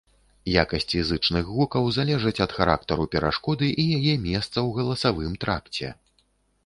Якасці зычных гукаў залежаць ад характару перашкоды і яе месца ў галасавым тракце.